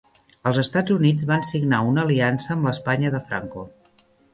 Els Estats Units van signar una aliança amb l'Espanya de Franco.